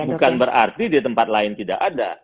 bukan berarti di tempat lain tidak ada